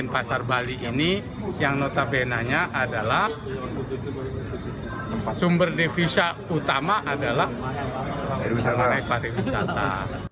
pertama adalah sumber devisa utama adalah perusahaan ekonomi wisata